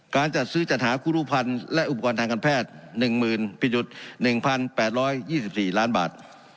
การจัดสื้อจัดหาคู่รูปันและอุปกรณ์ทางการแพทย์๑๐๑๘๒๔ล้านบาท